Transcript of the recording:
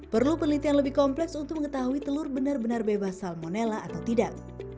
perlu penelitian lebih kompleks untuk mengetahui telur benar benar bebas salmonella atau tidak